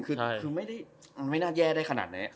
คือไม่ได้ไม่น่าแย่ได้ขนาดนั้น